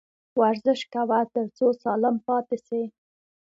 ورزش کوه ، تر څو سالم پاته سې